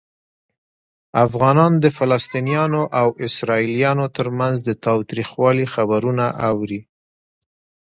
افغانان د فلسطینیانو او اسرائیلیانو ترمنځ د تاوتریخوالي خبرونه اوري.